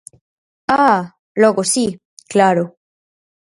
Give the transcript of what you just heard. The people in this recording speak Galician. Ah!, logo si, claro.